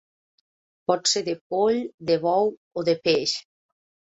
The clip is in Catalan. Pot ser de poll, de bou o de peix.